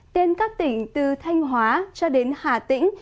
nên các tỉnh từ thanh hóa cho đến hà tĩnh